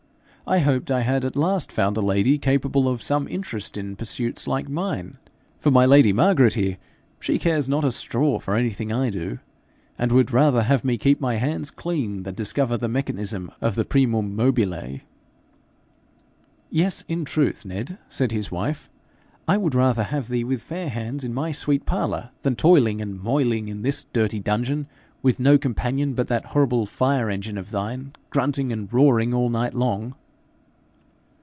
I hoped I had at last found a lady capable of some interest in pursuits like mine. For my lady Margaret here, she cares not a straw for anything I do, and would rather have me keep my hands clean than discover the mechanism of the primum mobile! 'Yes, in truth, Ned,' said his wife, 'I would rather have thee with fair hands in my sweet parlour, than toiling and moiling in this dirty dungeon, with no companion but that horrible fire engine of thine, grunting and roaring all night long.'